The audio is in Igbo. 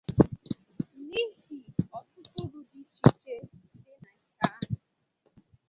n'ihi ọtụtụ úrù dị iche iche dị na nke ahụ.